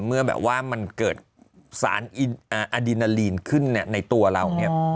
เมื่อแบบว่ามันเกิดสารอดินาลีนขึ้นในตัวเราเนี่ย